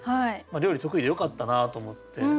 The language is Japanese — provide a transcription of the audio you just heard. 料理得意でよかったなと思って。